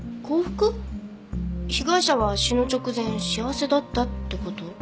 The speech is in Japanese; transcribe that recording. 被害者は死ぬ直前幸せだったって事？